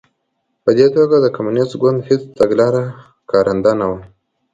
په دې توګه د کمونېست ګوند هېڅ تګلاره کارنده نه وه